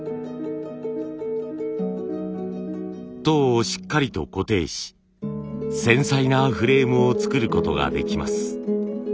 籐をしっかりと固定し繊細なフレームを作ることができます。